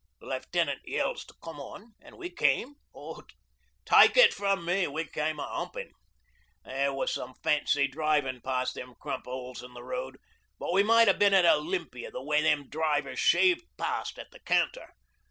The Left'nant yells to come on, an' we came, oh, take it from me, we came a humpin'. There was some fancy driving past them crump holes in the road, but we might have been at Olympia the way them drivers shaved past at the canter.